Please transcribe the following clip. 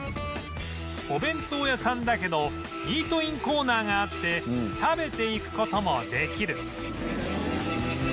お弁当屋さんだけどイートインコーナーがあって食べていく事もできる